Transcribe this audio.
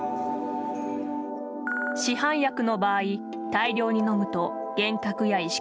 市販薬の場合、大量に飲むと幻覚や意識